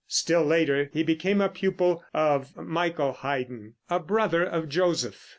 Still later he became a pupil of Michael Haydn, a brother of Joseph.